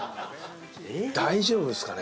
大丈夫ですかね？